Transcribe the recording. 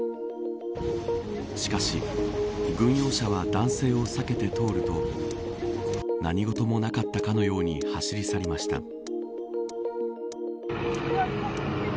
しかし、軍用車は男性を避けて通ると何事もなかったかのように走り去りました。